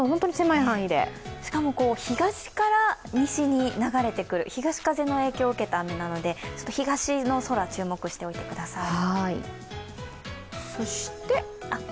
しかも、東から西に流れてくる、東風の影響を受けた雨なので、東の空、注目しておいてください。